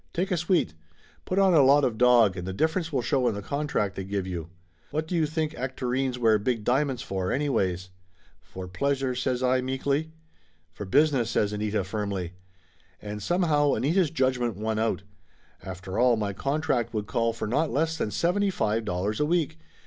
Take a suite. Put on a lot of dog, and the difference will show in the contract they give you. What do you think actorines wear big diamonds for, anyways?" "For pleasure," says I meekly. "For business !'' says Anita firmly. And somehow Anita's judgment won out. After all, my contract would call for not less than seventy five dollars a week